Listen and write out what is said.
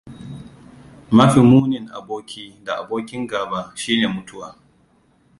Mafi munin aboki da abokin gaba shine Mutuwa.